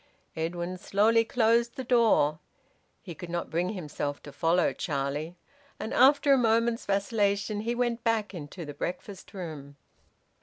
Edwin slowly closed the door. He could not bring himself to follow Charlie and, after a moment's vacillation, he went back into the breakfast room.